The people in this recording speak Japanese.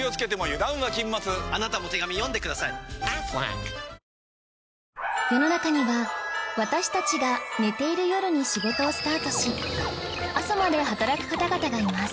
世の中には私たちが寝ている夜に仕事をスタートし朝まで働く方々がいます